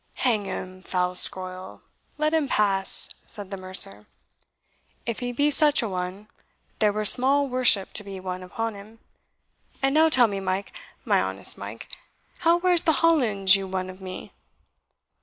"Hang him, foul scroyle, let him pass," said the mercer; "if he be such a one, there were small worship to be won upon him. And now tell me, Mike my honest Mike, how wears the Hollands you won of me?"